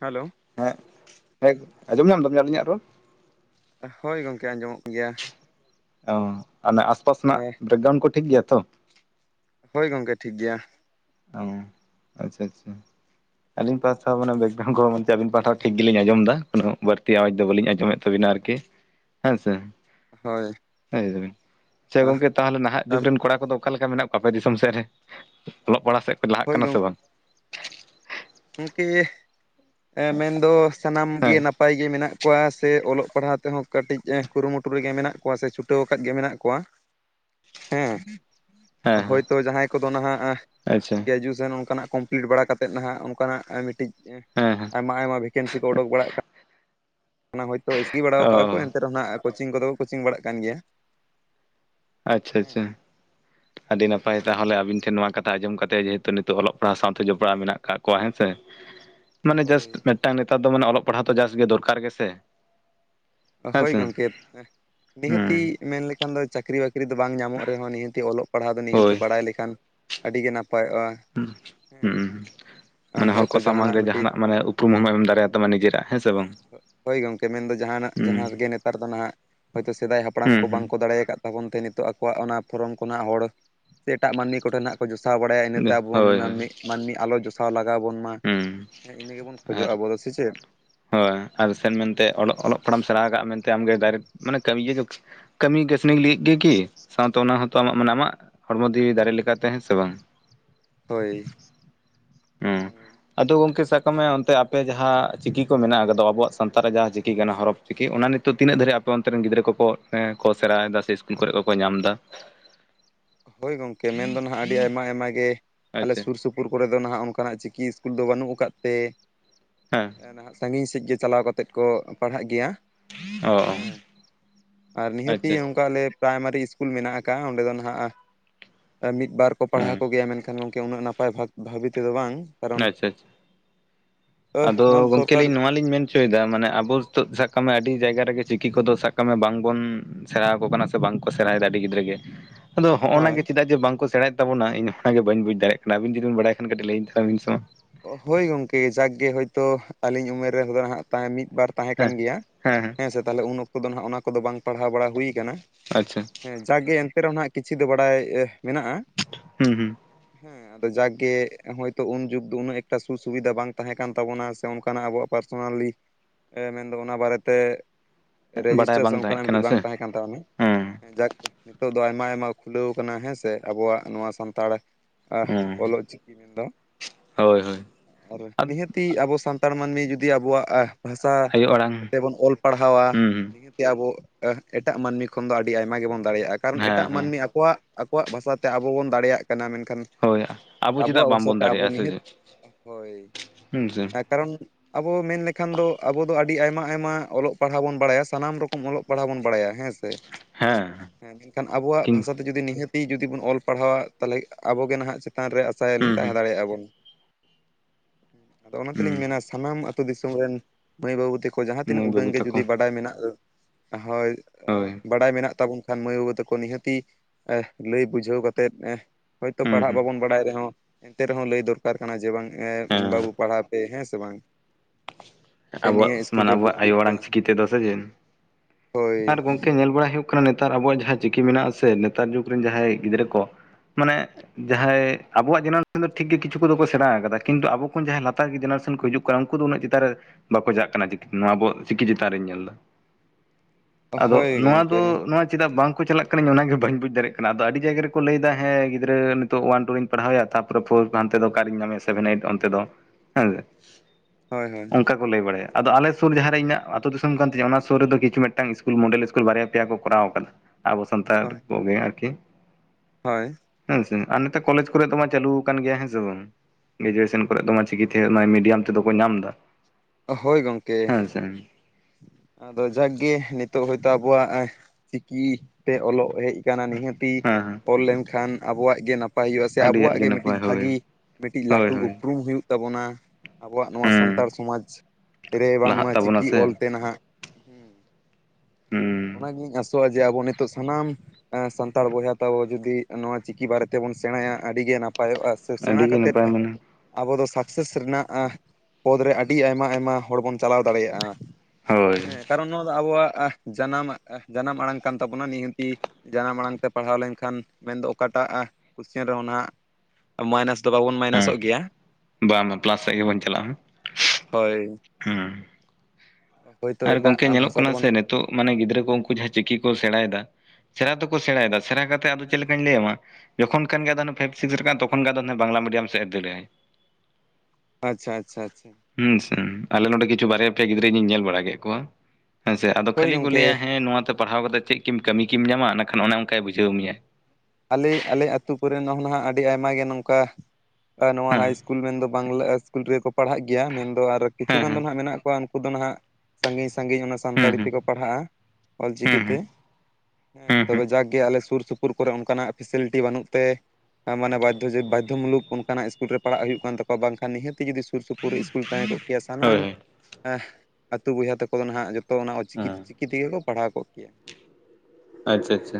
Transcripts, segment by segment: Hello. ᱦᱮᱸ ᱦᱮᱸ, ᱟᱸᱡᱚᱢ ᱧᱟᱢ ᱫᱟᱢ ᱟᱹᱞᱤᱧᱟᱜ ᱨᱚᱲ? ᱦᱳᱭ ᱜᱚᱝᱠᱮ, ᱟᱸᱡᱚᱢᱚᱜ ᱜᱮᱭᱟ᱾ ᱚ ᱚᱱᱟ ᱟᱥ ᱯᱟᱥ ᱨᱮᱱᱟᱜ ᱵᱨᱮᱜ ᱰᱟᱣᱩᱱ ᱠᱚ ᱴᱷᱤᱠ ᱜᱮᱭᱟ ᱛᱚ? ᱦᱳᱭ ᱜᱚᱝᱠᱮ ᱴᱷᱤᱠ ᱜᱮᱭᱟ᱾ ᱚ ᱟᱪᱪᱷᱟ ᱟᱪᱪᱷᱟ᱾ [inaudible] ᱟᱹᱞᱤᱧ ᱯᱟᱥᱴᱟᱣ ᱢᱟᱱ ᱵᱮᱜᱜᱨᱟᱣᱩᱱ ᱠᱚ ᱟᱵᱤᱱ ᱯᱟᱦᱴᱟ ᱦᱚ ᱴᱷᱤᱠ ᱜᱮᱞᱤᱧ ᱟᱡᱚᱢ ᱫᱟ, ᱩᱱᱟᱹᱜ ᱵᱟᱹᱲᱛᱤ ᱟᱣᱟᱡᱽ ᱫᱚ ᱵᱟᱞᱤᱧ ᱟᱸᱡᱚᱢ ᱮᱫ ᱛᱟᱵᱤᱱᱟ ᱟᱨᱠᱤ᱾ ᱦᱮᱸ ᱥᱮ, ᱦᱳᱭ ᱵᱩᱡ ᱫᱟᱵᱤᱱ ᱛᱚ ᱜᱚᱝᱠᱮ ᱛᱟᱦᱚᱞᱮ ᱱᱟᱦᱟᱸᱜ ᱡᱩᱜᱽ ᱨᱮᱱ ᱠᱚᱲᱟ ᱠᱚᱫᱚ ᱚᱠᱟ ᱞᱮᱠᱟ ᱢᱮᱱᱟᱜ ᱠᱟᱜ ᱠᱚᱣᱟ ᱟᱯᱮ ᱫᱤᱥᱚᱢ ᱥᱮᱫ ᱨᱮ, ᱚᱞᱚᱜ ᱯᱟᱲᱦᱟᱜ ᱥᱮᱫ ᱯᱮ ᱞᱟᱦᱟᱸᱜ ᱦᱳᱭ ᱠᱟᱱᱟ ᱥᱮ ᱵᱟᱝ? ᱜᱚᱝᱠᱮ ᱢᱮᱱᱫᱚ ᱥᱟᱱᱟᱢ ᱜᱮ ᱦᱮᱸ ᱱᱟᱯᱟᱭ ᱜᱮ ᱢᱮᱱᱟᱜ ᱠᱚᱣᱟ ᱥᱮ ᱚᱞᱚᱜ ᱯᱟᱲᱦᱟᱣ ᱛᱮᱦᱚ ᱠᱟᱹᱴᱤᱡ ᱠᱩᱨᱩᱢᱩᱴᱩ ᱨᱮᱜᱮ ᱢᱮᱱᱟᱜ ᱠᱚᱣᱟ ᱥᱮ ᱪᱷᱩᱴᱟᱹᱣ ᱟᱠᱟᱱ ᱜᱮ ᱢᱮᱱᱟᱜ ᱠᱚᱣᱟ᱾ ᱦᱮ᱾ ᱦᱮᱸ ᱦᱮᱸ ᱦᱳᱭ ᱛᱳ ᱡᱟᱦᱟᱸᱭ ᱠᱚᱫᱚ ᱱᱟᱦᱟᱸᱜ, ᱟᱪᱪᱷᱟ ᱦᱮᱸ ᱜᱨᱮᱡᱩᱭᱮᱥᱮᱱ ᱚᱱᱠᱟᱱᱟᱜ ᱠᱚᱢᱯᱞᱤᱴ ᱵᱟᱲᱟ ᱠᱟᱛᱮᱫ ᱱᱟᱦᱟᱸᱜ ᱠᱟᱱᱟᱜ ᱢᱤᱫᱴᱤᱡ ᱦᱮᱸ ᱟᱭᱢᱟ ᱟᱭᱢᱟ ᱵᱷᱮᱠᱮᱱᱥᱤ ᱠᱚ ᱚᱰᱩᱠ ᱵᱟᱲᱟᱜ ᱠᱟᱱᱟ᱾ ᱚᱱᱟ ᱦᱳᱭᱛᱳ ᱮᱥᱠᱤ ᱵᱟᱲ ᱚ ᱠᱟᱜ-ᱟ ᱠᱚ, ᱮᱱᱛᱮ ᱨᱮᱦᱚᱸ ᱠᱳᱪᱤᱝ ᱠᱚᱫᱚ ᱠᱚ ᱠᱳᱪᱤᱝ ᱵᱟᱲᱟᱜ ᱠᱟᱱ ᱜᱮᱭᱟ᱾ ᱟᱪᱪᱷᱟ ᱦᱮᱸ ᱟᱪᱪᱷᱟ᱾ ᱟᱹᱰᱤ ᱱᱟᱯᱟᱭ ᱛᱟᱦᱚᱞᱮ ᱟᱹᱵᱤᱱ ᱴᱷᱮᱱ ᱱᱚᱣᱟ ᱠᱟᱛᱷᱟ ᱟᱢᱚᱢ ᱠᱟᱛᱮᱫ ᱡᱮᱦᱮᱛᱩ ᱱᱤᱛᱚᱜ ᱚᱞᱚᱜ ᱯᱟᱲᱦᱟᱜ ᱥᱟᱶᱛᱮ ᱡᱚᱯᱲᱟᱣ ᱢᱮᱱᱟᱜ ᱟᱠᱟᱫ ᱠᱚᱣᱟ ᱦᱮ ᱥᱮ᱾ [inaudible] ᱢᱟᱱᱮ ᱡᱟᱥᱴ ᱢᱤᱫᱴᱟᱝ ᱱᱮᱛᱟᱨ ᱫᱚ ᱢᱟᱱᱮ ᱚᱞᱚᱜ ᱯᱟᱲᱦᱟᱜ ᱫᱚ ᱡᱟᱥᱴ ᱜᱮ ᱫᱚᱨᱠᱟᱨ ᱜᱮ ᱥᱮ᱾ ᱦᱳᱭ ᱜᱚᱝᱠᱮ, ᱱᱤᱦᱟᱹᱛᱤ ᱦᱩᱸ ᱢᱮᱱ ᱞᱮᱠᱷᱟᱱ ᱫᱚ ᱪᱟᱹᱠᱨᱤ ᱵᱟᱠ ᱪᱟᱹᱠᱨᱤ ᱫᱚ ᱵᱟᱝ ᱧᱟᱢᱚᱜ ᱨᱮᱦᱚ, ᱱᱤᱦᱟᱹᱛᱤ ᱚᱞᱚᱜ ᱯᱟᱲᱦᱟᱣ ᱫᱚ ᱱᱤᱦᱟᱹᱛ ᱦᱳᱭ ᱵᱟᱲᱟᱭ ᱞᱮᱠᱷᱟᱸᱱ ᱟᱹᱰᱤᱜᱮ ᱱᱟᱯᱟᱭᱚᱜ-ᱟ᱾ ᱦᱩᱸ ᱦᱩᱸ᱾ ᱢᱟᱱᱮ ᱦᱚᱲ ᱠᱚ ᱦᱳᱭᱛᱳ ᱥᱟᱢᱟᱝ ᱨᱮ ᱢᱤᱫᱴᱤᱡ ᱡᱟᱦᱟᱱᱟᱜ ᱢᱟᱱᱮ ᱩᱯᱨᱩᱢ ᱮᱢ ᱫᱟᱲᱮᱭᱟᱜ ᱛᱟᱢᱟ ᱱᱤᱡᱮᱨᱟᱜ ᱦᱮ ᱥᱮ ᱵᱟᱝ᱾ ᱦᱳᱭ ᱜᱚᱢᱠᱮ ᱢᱮᱱ ᱫᱚ ᱡᱟᱦᱟᱱᱟᱜ ᱦᱩᱸ ᱡᱟᱦᱟ ᱜᱮ ᱱᱮᱛᱟᱨ ᱫᱚ ᱱᱟᱦᱟᱸᱜ ᱦᱚᱭᱛᱳ ᱥᱮᱫᱟᱭ ᱦᱟᱯᱲᱟᱢ ᱦᱩᱸ ᱠᱚ ᱵᱟᱝᱠᱚ ᱦᱩᱸ ᱫᱟᱲᱮ ᱟᱠᱟᱫᱼᱼ ᱛᱟᱵᱚᱱ ᱛᱮ ᱱᱤᱛᱚᱜ ᱟᱠᱚᱣᱟᱜ ᱚᱱᱟ ᱯᱷᱚᱨᱚᱢ ᱠᱷᱚᱱᱟᱜ ᱦᱚᱲ ᱥᱮ ᱮᱴᱟᱜ ᱢᱟᱹᱱᱢᱤ ᱠᱚ ᱴᱷᱮᱱ ᱦᱟᱸᱜᱼᱼ ᱡᱚᱥᱟᱣ ᱵᱟᱲᱟᱭᱟ ᱤᱱᱟᱹᱛᱮ ᱟᱵᱚ ᱢᱤᱫ ᱦᱳᱭ ᱦᱳᱭ ᱢᱟᱹᱱᱢᱤ ᱟᱞᱚ ᱡᱚᱥᱟᱣ ᱞᱟᱜᱟᱣ ᱵᱚᱱ, ᱢᱟ ᱦᱩᱸ ᱤᱱᱟᱹ ᱜᱮᱵᱚᱱ ᱟᱨ ᱠᱷᱚᱡᱚᱜᱼᱟ ᱟᱵᱚ ᱫᱚ ᱥᱮ ᱪᱮᱫ? ᱦᱳᱭ ᱟᱨ ᱥᱮᱱ ᱢᱮᱱᱛᱮ ᱚᱞᱚᱜ ᱚᱞᱚᱜ ᱯᱟᱲᱦᱟᱜᱮᱢ ᱥᱮᱬᱟ ᱠᱟᱜᱼᱟ ᱢᱮᱱᱛᱮ ᱟᱢᱜᱮ ᱰᱟᱭᱨᱮᱴ ᱢᱟᱱᱮ ᱠᱟᱹᱢᱤᱼᱼ ᱠᱟᱹᱢᱤ ᱠᱟᱹᱥᱱᱤ ᱞᱟᱹᱜᱤᱫ ᱜᱮ ᱠᱤ ᱥᱟᱶᱛᱮ ᱚᱱᱟ ᱦᱚᱸᱛᱚ ᱟᱢᱟᱜ ᱢᱟᱱᱮ ᱟᱢᱟᱜ ᱦᱚᱲᱢᱚ ᱡᱤᱣᱤ ᱫᱟᱲᱮ ᱞᱮᱠᱟᱛᱮ ᱦᱮᱸ ᱥᱮ ᱵᱟᱝ᱾ ᱦᱳᱭ᱾ ᱦᱩᱸ ᱦᱮᱸ ᱟᱫᱚ ᱜᱚᱝᱠᱮ ᱥᱟᱠᱟᱟᱜ ᱢᱮ ᱚᱱᱛᱮ ᱟᱯᱮ ᱡᱟᱦᱟᱸ ᱪᱤᱠᱤ ᱠᱚ ᱢᱮᱱᱟᱜ ᱠᱟᱫᱟ ᱟᱵᱚᱣᱟᱜ ᱥᱟᱱᱛᱟᱲ ᱨᱮ ᱡᱟᱦᱟᱸ ᱪᱤᱠᱤ ᱠᱟᱱᱟ ᱦᱚᱨᱚᱯᱼᱼ ᱪᱤᱠᱤ ᱚᱱᱟ ᱱᱤᱛᱚᱜ ᱛᱤᱱᱟᱹᱜ ᱫᱷᱟᱨᱮ ᱟᱯᱮ ᱚᱱᱛᱮ ᱨᱮᱱ ᱜᱤᱫᱽᱨᱟᱹ ᱠᱚ ᱠᱚ ᱥᱮᱬᱟᱭ ᱫᱟ ᱥᱮ ᱤᱥᱠᱩᱞ ᱠᱚᱨᱮ ᱠᱚᱠᱚ ᱧᱟᱢ ᱮᱫᱟ ᱾ ᱦᱳᱭ ᱜᱚᱝᱠᱮ ᱢᱮᱱᱫᱚ ᱱᱟᱦᱟᱜ ᱟᱹᱰᱤ ᱟᱭᱢᱟ ᱟᱭᱢᱟ ᱜᱮ ᱟᱞᱮ ᱟᱪᱪᱷᱟ ᱥᱩᱨ ᱥᱩᱯᱩᱨᱼᱼ ᱥᱩᱯᱩᱨ ᱠᱚᱨᱮ ᱫᱚ ᱱᱟᱦᱟᱜ ᱚᱱᱠᱟᱱᱟᱜ ᱪᱤᱠᱤ ᱤᱥᱠᱩᱞ ᱫᱚ ᱵᱟᱹᱱᱩᱜ ᱟᱠᱟᱫ ᱛᱮᱼᱼ ᱦᱮᱸ᱾ ᱱᱟᱦᱟᱜ ᱥᱟᱺᱜᱤᱧ ᱥᱮᱫ ᱜᱮ ᱪᱟᱞᱟᱣ ᱠᱟᱛᱮᱜ ᱠᱚ ᱯᱟᱲᱦᱟᱜ ᱜᱮᱭᱟ ᱚ ᱾ ᱦᱮᱸ ᱟᱨ ᱱᱤᱦᱟ. ᱛᱤ ᱟᱪᱪᱷᱟ ᱚᱱᱠᱟ ᱞᱮᱼᱼ ᱯᱨᱟᱭᱢᱟᱨᱤ ᱤᱥᱠᱩᱞ ᱢᱮᱱᱟᱜ ᱟᱠᱟᱫ ᱚᱸᱰᱮ ᱫᱚ ᱱᱟᱦᱟᱜᱼᱼ ᱢᱤᱫ ᱵᱟᱨ ᱠᱚ ᱯᱟᱲᱦᱟᱣ ᱦᱮᱸ ᱠᱚᱜᱮᱭᱟ ᱢᱮᱱᱠᱷᱟᱱ ᱜᱚᱢᱠᱮ ᱩᱱᱟᱹᱜ ᱱᱟᱯᱟᱭ ᱵᱷᱟᱹᱜᱤ ᱛᱮᱫᱚ ᱵᱟᱝ᱾ ᱠᱟᱨᱚᱱ ᱟᱪᱪᱷᱟ ᱟᱪᱷᱟ᱾ ᱟᱫᱚ ᱱᱚᱣᱟ ᱫᱚ ᱜᱚᱝᱠᱮ ᱥᱚᱨᱠᱟᱨ ᱞᱤᱧ ᱱᱚᱣᱟ ᱞᱤᱧ ᱢᱮᱱᱼᱼ ᱦᱚᱪᱚᱭᱮᱫᱟ ᱢᱟᱱᱮ ᱟᱵᱚ ᱥᱟᱵ ᱠᱟᱜ ᱢᱮ ᱟᱹᱰᱤ ᱡᱟᱭᱜᱟ ᱨᱮᱜᱮ ᱪᱤᱠᱤ ᱠᱚᱫᱚ ᱥᱟᱵ ᱠᱟᱜ ᱢᱮ ᱵᱟᱝᱵᱚᱱᱼᱼ ᱥᱮᱬᱟᱣᱟᱠᱚ ᱠᱟᱱᱟ ᱥᱮ ᱵᱟᱝᱠᱚ ᱥᱮᱬᱟᱭᱮᱫᱟ ᱟᱹᱰᱤ ᱜᱤᱫᱽᱨᱟᱹ ᱜᱮ ᱟᱫᱚ ᱦᱚᱜ ᱱᱚᱣᱟ ᱦᱳᱭ ᱜᱮ ᱪᱮᱫᱟᱜ ᱡᱮ ᱵᱟᱝᱠᱚ ᱥᱮᱬᱟᱭᱮᱫ, ᱛᱟᱵᱚᱱᱟ ᱤᱧ ᱚᱱᱟᱜᱮ ᱵᱟᱹᱧ ᱵᱩᱡ ᱫᱟᱲᱭᱟᱜ ᱠᱟᱱᱟ ᱟᱵᱤᱱ ᱡᱩᱤᱫᱤ ᱵᱤᱱ ᱵᱟᱲᱟᱭ ᱠᱷᱟᱱ ᱠᱟᱴᱤᱡ ᱞᱟᱹᱭᱤᱧ ᱛᱟᱵᱚᱱ ᱵᱤᱱ ᱥᱮ ᱢᱟ᱾ ᱦᱳᱭ ᱜᱚᱢᱠᱮ ᱡᱟᱠ ᱜᱮ ᱦᱳᱭᱛᱳ ᱟᱹᱞᱤᱧ ᱩᱢᱮᱨ ᱨᱮ ᱛᱟᱦᱮᱸ ᱢᱤᱫ ᱵᱟᱨ᱾ ᱛᱟᱦᱮᱸ ᱠᱟᱱ ᱦᱮᱸ ᱜᱮᱭᱟ ᱦᱮᱸ ᱥᱮ ᱛᱟᱦᱞᱮ ᱩᱱ ᱚᱠᱛᱚ ᱫᱚ ᱱᱟᱦᱟᱜ ᱚᱱᱟ ᱠᱚᱫᱚ ᱵᱟᱝ ᱯᱟᱲᱦᱟᱣ ᱵᱟᱲᱟ ᱦᱩᱭ ᱠᱟᱱᱟ ᱟᱪᱪᱷᱟ ᱾ ᱦᱮᱸ ᱡᱟᱠᱜᱮ ᱮᱱᱛᱮ ᱨᱮ ᱦᱚᱸ ᱱᱟᱜ ᱠᱤᱪᱷᱤ ᱫᱚ ᱵᱟᱲᱟᱭ ᱢᱮᱱᱟᱜᱼᱟ ᱾ ᱦᱩᱸ ᱦᱩᱸ᱾ ᱦᱮᱸ ᱟᱫᱚ ᱡᱟᱠ ᱜᱮ ᱦᱚᱭᱛᱚ ᱩᱱ ᱡᱩᱜᱽᱼᱼ ᱩᱱᱟᱹᱜ ᱮᱠᱴᱟ ᱥᱩᱨ ᱥᱩᱵᱤᱫᱷᱟ ᱵᱟᱝ ᱛᱟᱦᱮᱸ ᱠᱟᱱ ᱛᱟᱵᱚᱱᱟ ᱥᱮ ᱚᱱᱠᱟᱱᱟᱜ ᱟᱵᱚᱣᱟᱜ ᱯᱟᱨᱥᱚᱱᱟᱞᱤᱼᱼ ᱢᱮᱱᱫᱚ ᱚᱱᱟ ᱵᱟᱨᱮᱛᱮ ᱵᱟᱰᱟᱭ ᱨᱮᱡᱤᱥᱴᱟᱨ ᱥᱮ ᱵᱟᱝ ᱛᱟᱦᱮᱸ ᱚᱱᱠᱟᱱᱟᱜ ᱠᱟᱱᱟ ᱢᱤᱫᱴᱤᱡ ᱵᱟᱝ ᱥᱮ ᱛᱟᱦᱮᱸ ᱠᱟᱱ ᱛᱟᱵᱚᱱᱟ ᱦᱮᱸ ᱾ ᱡᱟᱠ ᱱᱤᱛᱚᱜ ᱫᱚ ᱟᱭᱢᱟ ᱟᱭᱢᱟ ᱠᱷᱩᱞᱟᱹᱣ ᱠᱟᱱᱟ ᱦᱮᱸ ᱥᱮ ᱟᱵᱚᱣᱟᱜ ᱱᱚᱣᱟ ᱥᱟᱱᱛᱟᱲ ᱾ ᱟᱜ ᱦᱮᱸ ᱚᱞᱚᱜ ᱪᱤᱠᱤ ᱛᱮᱫᱚ, ᱦᱳᱭ ᱦᱳᱭ᱾ ᱟᱨ ᱱᱤᱦᱟᱹᱛᱤ ᱟᱵᱚ ᱥᱟᱱᱛᱟᱲ ᱢᱟᱹᱱᱢᱤ ᱡᱩᱫᱤ ᱟᱵᱚᱣᱟᱜᱼᱼ ᱵᱷᱟᱥᱟ ᱟᱭᱳ ᱟᱲᱟᱝ ᱛᱮᱵᱚᱱ ᱚᱞ ᱯᱟᱲᱦᱟᱣᱟ ᱦᱩᱸ ᱦᱩᱸ ᱱᱤᱦᱟ. ᱛᱼᱼ ᱟᱵᱚ ᱮᱴᱟᱜ ᱢᱟᱹᱱᱢᱤ ᱠᱷᱚᱱ ᱫᱚ ᱟᱹᱰᱤ ᱟᱭᱢᱟ ᱜᱮᱵᱚᱱ ᱫᱟᱲᱮᱭᱟᱜᱼᱟ ᱾ ᱠᱟᱨᱚᱱ ᱦᱮᱸ ᱮᱴᱟᱜ ᱦᱮᱸ ᱢᱟᱹᱱᱢᱤᱼᱼ ᱟᱠᱚᱣᱟᱜ ᱟᱠᱚᱣᱟᱜ ᱵᱷᱟᱥᱟᱛᱮ ᱟᱵᱚ ᱵᱚᱱ ᱫᱟᱲᱮᱭᱟᱜ ᱠᱟᱱᱟ ᱾ ᱢᱮᱱᱠᱷᱟᱱ ᱦᱳᱭ ᱟᱵᱚ ᱪᱮᱫᱟᱜ ᱟᱵᱚᱣᱟᱜ ᱵᱟᱝᱵᱚᱱ ᱵᱷᱟᱥᱟᱛᱮ ᱟᱵᱚ ᱫᱟᱲᱮᱭᱟᱜᱼᱟ ᱥᱮ ᱱᱤᱦᱟᱹᱛᱼᱼ ᱪᱮᱫ ᱦᱳᱭ ᱦᱮᱸ ᱥᱮ ᱠᱟᱨᱚᱱ ᱟᱵᱚ ᱢᱮᱱ ᱞᱮᱠᱷᱟᱱ ᱫᱚ ᱟᱵᱚ ᱫᱚ ᱟᱹᱰᱤᱼᱼ ᱟᱹᱰᱤ ᱟᱭᱢᱟ ᱟᱭᱢᱟ ᱚᱞᱚᱜ ᱯᱟᱲᱦᱟᱣ ᱵᱚᱱ ᱵᱟᱲᱟᱭᱟ ᱥᱟᱱᱟᱢ ᱨᱚᱠᱚᱢ ᱚᱞᱚᱜ ᱯᱟᱲᱦᱟᱣ ᱵᱚᱱ ᱵᱟᱲᱟᱭᱟ ᱦᱮᱸ ᱥᱮ ᱾ ᱦᱮᱸ ᱢᱮᱱᱠᱷᱟᱱ ᱟᱵᱚᱣᱟᱜ ᱠᱤᱱ ᱵᱷᱟᱥᱟ ᱛᱮ ᱡᱩᱫᱤ ᱱᱤᱦᱟᱹᱛᱤ ᱡᱩᱫᱤ ᱵᱚᱱ ᱚᱞ ᱯᱟᱲᱦᱟᱣᱟ ᱛᱟᱦᱚᱞᱮ ᱟᱵᱚ ᱜᱮ ᱱᱟᱦᱟᱜ ᱪᱟᱼᱼ ᱪᱮᱛᱟᱱ ᱨᱮ ᱟᱥᱟᱭᱟᱞᱤᱧ ᱦᱩᱸ ᱦᱩᱸ ᱛᱟᱦᱮᱸ ᱫᱟᱲᱮᱭᱟᱜᱼᱟ ᱵᱚᱱ ᱾ ᱟᱫᱚ ᱚᱱᱟ ᱛᱮᱞᱤᱧ ᱦᱩᱸ ᱢᱮᱱᱟ ᱥᱟᱱᱟᱢ ᱟᱹᱛᱩ ᱫᱤᱥᱚᱢ ᱨᱮᱱᱼᱼ ᱢᱟᱹᱭ ᱵᱟᱹᱵᱩ ᱛᱟᱠᱚ ᱡᱟᱦᱟᱸ ᱢᱟᱹᱭ ᱛᱤᱱᱟᱹᱜ ᱩᱰᱟᱹᱝ ᱵᱟᱹᱵᱩ ᱜᱮ ᱡᱩᱫᱤ ᱛᱟᱠᱚ ᱵᱟᱰᱟᱭ ᱢᱮᱱᱟᱜ ᱦᱳᱭ᱾ ᱦᱳᱭ ᱵᱟᱲᱟᱭ ᱢᱮᱱᱟᱜ ᱛᱟᱵᱚᱱ ᱠᱷᱟᱱ ᱢᱟᱹᱭ ᱵᱟᱹᱵᱩ ᱛᱟᱠᱚ ᱱᱤᱦᱟᱹᱛᱤ ᱞᱟᱹᱭ ᱵᱩᱡᱷᱟᱹᱣ ᱠᱟᱛᱮᱫᱼᱼ ᱦᱳᱭᱛᱳ ᱦᱩᱸ ᱯᱟᱲᱦᱟᱜ ᱦᱩᱸ ᱵᱟᱵᱚᱱ ᱵᱟᱲᱟᱭ ᱨᱮᱦᱚᱸ ᱮᱱᱛᱮ ᱨᱮᱦᱚᱸ ᱞᱟᱹᱭ ᱫᱚᱨᱠᱟᱨ ᱠᱟᱱᱟ ᱡᱮ ᱵᱟᱝᱼᱼ ᱮ ᱦᱮᱸ ᱵᱟᱹᱵᱩ ᱯᱟᱲᱦᱟᱣ ᱯᱮ ᱦᱮᱸ ᱥᱮ ᱵᱟᱝ᱾ ᱥᱮ ᱟᱵᱚᱣᱟᱜ ᱱᱤᱭᱟᱹ ᱤᱥᱠᱩᱞ ᱢᱟᱱᱮ ᱨᱮ ᱟᱵᱚᱣᱟᱜ ᱟᱭᱳ ᱵᱷᱚᱨᱛᱤᱜ ᱯᱮ ᱟᱲᱟᱝ ᱪᱤᱠᱤ ᱛᱮᱫᱚ ᱥᱮ ᱪᱮᱫ, ᱦᱳᱭ ᱟᱨ ᱜᱚᱝᱠᱮ ᱧᱮᱞ ᱵᱟᱲᱟᱭ ᱦᱩᱭᱩᱜ ᱠᱟᱱᱟ ᱠᱟᱱᱟ ᱱᱮᱛᱟᱨ ᱟᱵᱚᱣᱟᱜ ᱡᱟᱦᱟᱸ ᱪᱤᱠᱤ ᱢᱮᱱᱟᱜᱼᱟ᱾ ᱥᱮ ᱱᱮᱛᱟᱨ ᱡᱩᱜᱽ ᱨᱮᱱ ᱡᱟᱦᱟᱸᱭ ᱜᱤᱫᱽᱨᱟᱹ ᱠᱚ ᱢᱟᱱᱮ ᱡᱟᱦᱟᱸᱭ ᱟᱵᱚᱣᱟᱜ ᱡᱮᱱᱟᱨᱮᱥᱚᱱ ᱫᱚ ᱴᱷᱤᱠ ᱜᱮ ᱠᱤᱪᱷᱩ ᱫᱚ ᱠᱚ ᱥᱮᱬᱟ ᱟᱠᱟᱫᱟ᱾ ᱠᱤᱱᱛᱩ ᱟᱵᱚ ᱠᱷᱚᱱ ᱡᱟᱦᱟᱸᱭ ᱞᱟᱛᱟᱨ ᱡᱮᱱᱟᱨᱮᱥᱚᱱ ᱠᱚ ᱦᱤᱡᱩᱜ ᱩᱱᱠᱩ ᱫᱚ ᱩᱱᱟᱹᱜ ᱪᱮᱛᱟᱱᱨᱮ ᱵᱟᱠᱚ ᱪᱟᱜ ᱠᱟᱱᱟ᱾ ᱱᱚᱣᱟ ᱟᱵᱚ ᱪᱤᱠᱤ ᱪᱮᱛᱟᱱ ᱨᱤᱧ ᱧᱮᱞ ᱫᱟ᱾ ᱦᱳᱭ ᱟᱫᱚ ᱱᱚᱣᱟ ᱜᱚᱢᱠᱮ ᱫᱚ ᱱᱚᱣᱟ ᱪᱮᱫᱟᱜ ᱵᱟᱝᱠᱚ ᱪᱟᱞᱟᱜ [inaudible] ᱚᱱᱟᱜ ᱵᱟᱹᱧ ᱵᱩᱡᱽ ᱫᱟᱲᱭᱟᱜ ᱠᱟᱱᱟ᱾ ᱟᱫᱚ ᱟᱹᱰᱤ ᱡᱟᱭᱜᱟ ᱨᱮᱠᱚ ᱞᱟᱹᱭᱫᱟ ᱦᱮᱸ ᱜᱤᱫᱽᱨᱟᱹ ᱱᱤᱛᱚᱜ ᱚᱣᱟᱱ ᱴᱩ ᱨᱮᱧ ᱯᱟᱲᱦᱟᱣᱮᱭᱟ ᱛᱟᱨᱯᱚᱨᱮ ᱯᱷᱳᱨ ᱦᱟᱱᱛᱮ ᱫᱚ ᱥᱮᱵᱷᱮᱱ ᱮᱭᱤᱴ ᱚᱱᱛᱮ ᱫᱚ ᱦᱮ ᱦᱳᱭ ᱦᱳᱭ ᱚᱝᱠᱟ ᱠᱚ ᱞᱟᱹᱭ ᱵᱟᱲᱟᱭᱟ ᱟᱞ ᱥᱩᱨ ᱡᱟᱦᱟᱸᱨᱮ ᱤᱧᱟᱹᱜ ᱟᱹᱛᱩ ᱫᱤᱥᱚᱢ ᱠᱟᱱ ᱛᱤᱧᱟᱹ ᱚᱱᱟ ᱥᱩᱨ ᱨᱮᱫᱚ ᱠᱤᱷᱩ ᱢᱤᱫᱴᱟᱝ ᱤᱥᱠᱩᱞ ᱢᱚᱰᱮᱞ ᱤᱥᱠᱤᱞ ᱵᱟᱨᱭᱟ ᱯᱮᱭᱟ ᱠᱚ ᱠᱚᱨᱟᱣ ᱠᱟᱫᱟ ᱟᱵᱚ ᱥᱟᱱᱛᱟᱲ ᱠᱚᱜᱮ ᱟᱨᱠᱤ᱾ ᱦᱳᱭ ᱦᱮᱸᱥᱮ ᱟᱨ ᱱᱚᱛᱮ ᱠᱚᱞᱮᱡᱽ ᱠᱚᱨᱮ ᱫᱚ, ᱢᱟ ᱪᱟᱹᱞᱩ ᱟᱠᱟᱱ ᱜᱮᱭᱟ ᱦᱮᱸ ᱥᱮ ᱵᱟᱝ? ᱜᱮᱡᱩᱭᱮᱥᱮᱱ ᱠᱚᱨᱮ ᱫᱚ ᱢᱟ ᱪᱤᱠᱤᱛᱮ ᱢᱤᱰᱤᱭᱟᱢ ᱛᱮᱫᱚ ᱠᱚ ᱧᱟᱢ ᱮᱫᱟ᱾ ᱦᱳᱭ ᱜᱚᱝ ᱦᱮᱸ ᱥᱮ ᱟᱫᱚ ᱡᱟᱜᱽ-ᱜᱮ ᱱᱤᱛᱚᱜ ᱦᱳᱭᱛᱳ ᱟᱵᱚᱣᱟᱜ ᱪᱤᱠᱤ ᱛᱮ ᱚᱞᱚᱜ ᱦᱮᱡ ᱱᱤᱦᱟᱹᱛᱤ ᱦᱮᱸ ᱚᱞ ᱞᱮᱱᱠᱷᱟᱱ ᱟᱵᱚᱣᱟᱜ ᱜᱮ ᱱᱟᱯᱟᱭ ᱱᱟᱯᱟᱭ ᱦᱩᱭᱩᱜᱼᱟ᱾ ᱥᱮ ᱟᱹᱰᱤᱭᱟᱜ ᱟᱵᱚᱣᱟᱜ ᱜᱮ ᱢᱤᱫᱴᱤᱡ ᱱᱟᱯᱟᱭ ᱦᱳᱭ ᱵᱷᱟᱹᱜᱤ ᱢᱤᱫᱴᱤᱡ ᱦᱳᱭ ᱞᱟᱹᱴᱩ ᱦᱳᱭ ᱩᱯᱨᱩᱢ ᱦᱩᱭᱩᱜ ᱛᱟᱵᱚᱱᱟ᱾ ᱟᱵᱚᱣᱟᱜ ᱱᱚᱣᱟ ᱥᱟᱱᱛᱟᱲ ᱦᱮᱸ ᱥᱚᱢᱟᱡᱽ ᱨᱮ ᱞᱟᱦᱟᱜ ᱵᱟᱝᱢᱟ ᱛᱟᱵᱚᱱᱟ ᱪᱤᱠᱤ ᱚᱞ᱾ ᱥᱮ ᱦᱮᱸ ᱚᱱᱟᱜᱤᱧ ᱟᱥᱚᱜᱼᱟ᱾ ᱡᱮ ᱟᱵᱚ ᱱᱤᱛᱚᱜ ᱥᱟᱱᱟᱢ ᱥᱟᱱᱛᱟᱲ ᱵᱚᱭᱦᱟ ᱛᱟᱵᱚ ᱡᱩᱫᱤ ᱱᱚᱣᱟ ᱪᱤᱠᱤ ᱵᱟᱨᱮ ᱛᱮᱵᱚᱱ ᱥᱮᱬᱟᱭᱟ ᱟᱹᱰᱤᱜᱮ ᱱᱟᱯᱟᱭᱚᱜᱼᱟ᱾ ᱥᱮ ᱥᱮᱬᱟ ᱟᱹᱰᱤᱜᱮ ᱠᱟᱛᱮᱫ ᱱᱟᱯᱟᱭ ᱢᱟᱱᱮ ᱟᱵᱚ ᱫᱚ ᱥᱟᱠᱥᱮᱥ ᱨᱮᱱᱟᱜ ᱯᱚᱫᱨᱮ ᱟᱹᱰᱤ ᱟᱭᱢᱟ ᱟᱭᱢᱟ ᱦᱚᱲ ᱵᱚᱱ ᱪᱟᱞᱟᱣ ᱫᱟᱲᱮᱭᱟᱜᱼᱟ᱾ ᱦᱳᱭ ᱦᱮᱸ ᱠᱟᱨᱚᱱ ᱱᱚᱣᱟ ᱫᱚ ᱟᱵᱚᱣᱟᱜ ᱡᱟᱱᱟᱢ ᱡᱟᱱᱟᱢ ᱟᱲᱟᱝ ᱠᱟ, ᱱ ᱛᱟᱵᱚᱱᱟ ᱱᱤᱦᱟᱹᱛᱤ᱾ ᱡᱟᱱᱟᱢ ᱟᱲᱟᱝ ᱛᱮ ᱯᱟᱲᱦᱟᱣ ᱞᱮᱱᱠᱷᱟᱱ, ᱢᱮᱱᱫᱚ ᱚᱠᱟᱴᱟᱜ ᱠᱩᱥᱪᱮᱱ ᱨᱮ ᱱᱟᱜ ᱢᱟᱭᱱᱟᱥ ᱫᱚ ᱵᱟᱵᱚᱱ ᱦᱮᱸ ᱢᱟᱭᱱᱟᱥᱚᱜ ᱜᱮᱭᱟ ᱵᱟᱝ ᱵᱟᱝ ᱯᱞᱟᱥ ᱦᱳᱭ᱾ ᱦᱩᱸ ᱦᱳᱭᱛᱳ ᱟᱨ ᱮᱴᱟᱜ ᱜᱚᱝᱠᱮ ᱧᱮᱞᱚᱜ ᱵᱷᱟᱥᱟ ᱠᱟᱱᱟ ᱛᱮᱵᱚᱱ ᱥᱮ ᱛᱚᱜ ᱢᱟᱱᱮ ᱜᱤᱫᱽᱨᱟᱹ ᱠᱚ ᱩᱱᱠᱩ ᱡᱟᱦᱟᱸ ᱪᱤᱠᱤ ᱠᱚ ᱥᱮᱬᱟᱭᱮᱫᱟ᱾ ᱥᱮᱬᱟ ᱫᱚᱠᱚ ᱥᱮᱬᱟ ᱭᱮᱫᱟ ᱥᱮᱬᱟ ᱠᱟᱛᱮ ᱟᱫᱚ ᱪᱮᱫ ᱞᱮᱠᱟᱧ ᱞᱟᱹᱭᱟᱢᱟ᱾ ᱡᱚᱠᱷᱚᱱ ᱠᱷᱟᱱ ᱜᱮ ᱯᱷᱤᱵᱷ ᱥᱤᱠᱥ ᱨᱮ ᱨᱟᱠᱟᱵᱟ ᱟ, ᱛᱚᱠᱷᱚᱱ ᱜᱮ ᱟ ᱵᱟᱝᱞᱟ ᱢᱤᱰᱤᱭᱟᱢ ᱥᱮᱮᱡ ᱫᱟᱲᱮᱭᱟᱭ᱾ ᱟᱪᱪᱷᱟ ᱟᱪᱪᱷᱟ ᱟᱪᱪᱷᱟ᱾ ᱦᱩᱸᱥᱮ ᱟᱞᱮ ᱱᱚᱰᱮ ᱠᱤᱪᱷᱩ ᱵᱟᱨᱭᱟ ᱯᱮᱭᱟ ᱜᱤᱫᱽᱨᱟᱹ ᱤᱧ ᱧᱮᱞ ᱵᱟᱲᱟ ᱠᱮᱫ ᱠᱚᱣᱟ᱾ ᱦᱮᱸᱥᱮ ᱟᱫᱚ ᱦᱳᱭ ᱠᱷᱟᱹᱞᱤ ᱠᱚ ᱜᱚᱝᱠᱮ ᱞᱟᱹᱭᱟ ᱦᱮᱸ ᱱᱚᱣᱟᱛᱮ ᱯᱟᱲᱦᱟᱣ ᱠᱟᱛᱮ ᱪᱮᱫ ᱠᱤ, ᱠᱟᱹᱢᱤ ᱠᱤ ᱧᱟᱢᱟ ᱮᱱᱮᱠᱷᱟᱱ ᱚᱱᱮ ᱚᱱᱠᱟᱭ ᱵᱩᱡᱷᱟᱹᱣ ᱢᱮᱭᱟᱭ᱾ ᱟᱞᱮ ᱟᱞᱮ ᱟᱹᱛᱩ ᱠᱚᱨᱮ ᱱᱚ ᱦᱟᱜᱸ ᱟᱹᱰᱤ ᱟᱭᱢᱟ ᱜᱮ ᱱᱚᱝᱠᱟ᱾ ᱱᱚᱣᱟ ᱦᱟᱭ ᱦᱮᱸ ᱤᱥᱠᱩᱞ ᱢᱮᱱᱫᱚ ᱵᱟᱝᱞᱟ ᱤᱥᱠᱩᱞ ᱨᱮᱜᱮ ᱠᱚ ᱯᱟᱲᱦᱟᱜ ᱜᱮᱭᱟ ᱢᱮᱱᱫᱚ ᱟᱨ ᱠᱤᱪᱷᱩ ᱜᱟᱱ ᱦᱮᱸ ᱫᱚᱦᱟᱸᱜ ᱢᱮᱱᱟᱜ ᱠᱚᱣᱟ᱾ ᱩᱱᱠᱩ ᱫᱚ ᱱᱟᱦᱟᱜ ᱥᱟᱺᱜᱤᱧ ᱥᱟᱺᱜᱤᱧ ᱚᱱᱟ ᱦᱮᱸ ᱦᱩᱸ ᱥᱟᱱᱛᱟᱲᱤ ᱦᱩᱸ ᱛᱮᱠᱚ ᱯᱟᱲᱦᱟᱜᱼᱟ᱾ ᱚᱞᱪᱤᱠᱤᱛᱮ᱾ ᱦᱩᱸ ᱦᱩᱸ ᱦᱮᱸ ᱦᱩᱸ ᱦᱩᱸ ᱛᱚᱵᱮ ᱡᱟᱠᱜᱮ ᱟᱞᱮ ᱥᱩᱨ ᱥᱩᱯᱩᱨ ᱠᱚᱨᱮ ᱚᱱᱠᱟᱱᱟᱜ ᱯᱷᱮᱥᱮᱞᱤᱴᱤ ᱵᱟᱹᱱᱩᱜ ᱛᱮ᱾ ᱢᱟᱱᱮ ᱵᱟᱫᱽᱫᱷᱚ ᱵᱟᱫᱽᱫᱷᱚ ᱢᱩᱞᱩᱠ ᱚᱱᱠᱟᱱᱟᱜ ᱤᱥᱠᱩᱞ ᱨᱮ ᱯᱟᱲᱦᱟᱜ ᱦᱩᱭᱩᱜ ᱠᱟᱱ ᱛᱟᱠᱚᱣᱟ ᱵᱟᱝᱠᱷᱟᱱ ᱱᱤᱦᱟᱹᱛᱤ ᱡᱩᱫᱤ ᱥᱩᱨ ᱥᱩᱯᱩᱨ ᱤᱥᱠᱩᱞ ᱛᱟᱦᱮᱸ ᱠᱚᱜ ᱠᱮᱭᱟ, ᱥᱟᱱᱟᱢ ᱦᱳᱭ ᱦᱳᱭ ᱟᱹᱛᱩ ᱵᱚᱭᱦᱟ ᱛᱟᱠᱚ ᱫᱚ ᱱᱟᱦᱟᱜ ᱡᱚᱛᱚ ᱛᱚ ᱚᱱᱟ ᱚ ᱪᱤᱠᱤ ᱦᱮᱸ ᱪᱤᱠᱤ ᱛᱮᱜᱮᱠᱚ ᱯᱟᱲᱦᱟᱣ ᱠᱚᱜ ᱠᱮᱭᱟ᱾ ᱟᱪᱪᱷᱟ ᱟᱪᱪᱷᱟ᱾